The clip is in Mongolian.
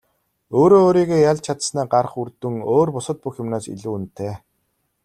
Өөрөө өөрийгөө ялж чадсанаа гарах үр дүн өөр бусад бүх юмнаас илүү үнэтэй.